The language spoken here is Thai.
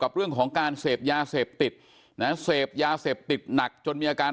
กับเรื่องของการเสร็บยาเสร็บติดเสร็บยาเสร็บติดหนักจนมีอาการ